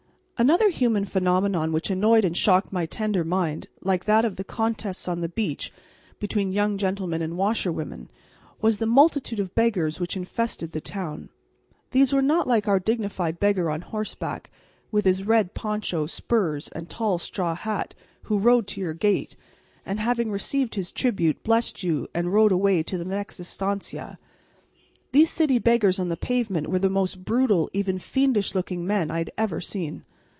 Another human phenomenon which annoyed and shocked my tender mind, like that of the contests on the beach between young gentlemen and washerwomen, was the multitude of beggars which infested the town. These were not like our dignified beggar on horseback, with his red poncho, spurs and tall straw hat, who rode to your gate, and having received his tribute, blessed you and rode away to the next estancia. These city beggars on the pavement were the most brutal, even fiendish, looking men I had ever seen.